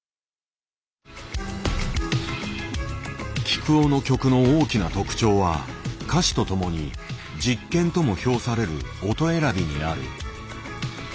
きくおの曲の大きな特徴は歌詞と共に実験とも評される音選びにある。